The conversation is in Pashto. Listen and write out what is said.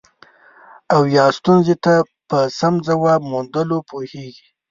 او یا ستونزې ته په سم ځواب موندلو پوهیږي.